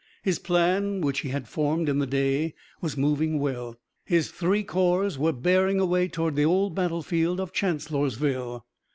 His plan which he had formed in the day was moving well. His three corps were bearing away toward the old battlefield of Chancellorsville.